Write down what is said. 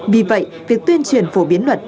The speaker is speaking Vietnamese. vì vậy việc tuyên truyền phổ biến luật